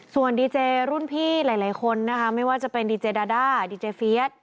ส่วนดีเจรุ่นพี่หลายคนนะคะไม่ว่าจะเป็นดีเจดาด้าดีเจเฟียส